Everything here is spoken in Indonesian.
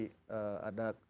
ada data yang dari dks